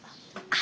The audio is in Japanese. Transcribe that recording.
あ。